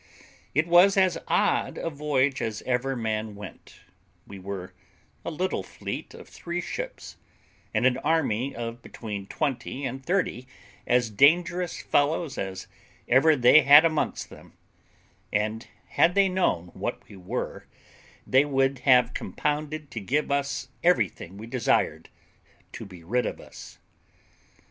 It was as odd a voyage as ever man went; we were a little fleet of three ships, and an army of between twenty and thirty as dangerous fellows as ever they had amongst them; and had they known what we were, they would have compounded to give us everything we desired to be rid of us.